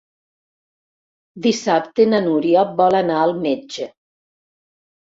Dissabte na Núria vol anar al metge.